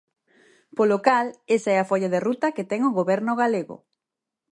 Polo cal, esa é a folla de ruta que ten o Goberno galego.